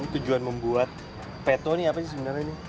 tujuan membuat peto ini apa sih sebenarnya ini